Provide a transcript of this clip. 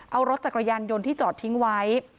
เอารถจักรยานยนต์ที่จอดทิ้งไว้